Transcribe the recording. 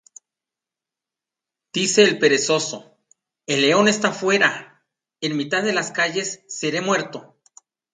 Dice el perezoso: El león está fuera; En mitad de las calles seré muerto.